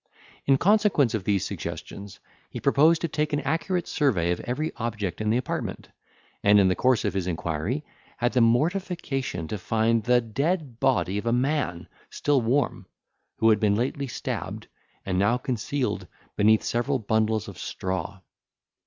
In consequence of these suggestions, he proposed to take an accurate survey of every object in the apartment, and, in the course of his inquiry, had the mortification to find the dead body of a man, still warm, who had been lately stabbed, and concealed beneath several bundles of straw.